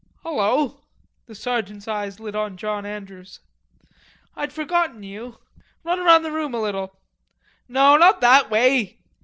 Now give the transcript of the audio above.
"Hullo," the sergeant's eyes lit on John Andrews, "I'd forgotten you. Run around the room a little.... No, not that way.